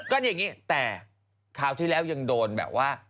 ก็อย่างนี้แต่คราวที่แล้วยังโดนแบบว่า